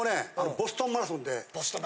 ボストンマラソン。